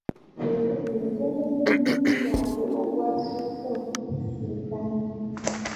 Leero gwe gwabadde omulundi gwange ogwasoose okumusisinkana.